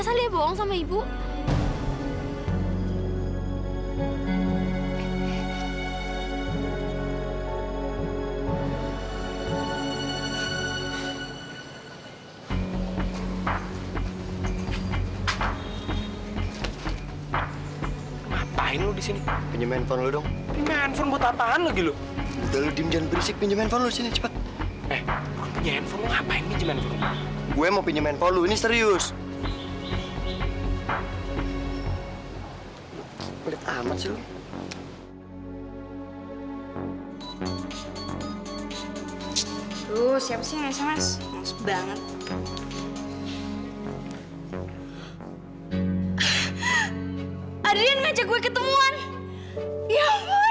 sampai jumpa di video selanjutnya